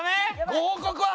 「ご報告」は？